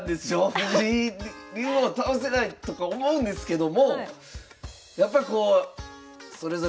藤井竜王倒せないとか思うんですけどもやっぱりこうそれぞれ皆さんの活躍